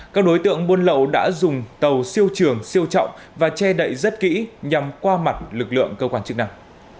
các đối tượng buôn lậu đã dùng tàu siêu trường siêu trọng và che đậy rất kỹ nhằm qua mặt lực lượng cơ quan chức năng